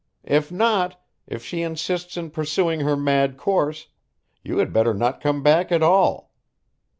If not, if she insists in pursuing her mad course, you had better not come back at all.